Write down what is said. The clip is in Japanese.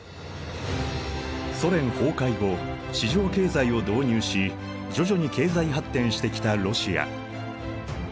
ソ連崩壊後市場経済を導入し徐々に経済発展してきたロシア。